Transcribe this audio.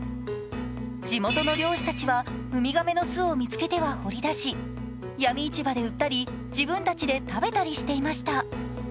地元の漁師たちは海亀の巣を見つけては掘り出し闇市場で売ったり自分たちで食べたりしていました。